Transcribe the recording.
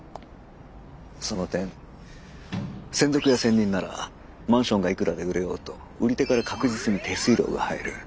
その点専属や専任ならマンションがいくらで売れようと売り手から確実に手数料が入る。